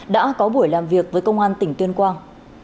đã có buổi làm việc với công an tỉnh tuyên quang